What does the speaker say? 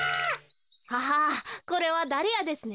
ははこれはダリアですね。